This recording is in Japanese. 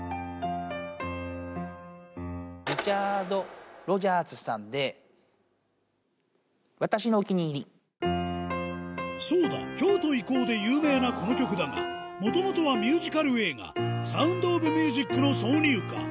リチャード・ロジャースさんで、そうだ、京都、行こうで有名なこの曲だが、もともとはミュージカル映画、サウンド・オブ・ミュージックの挿入歌。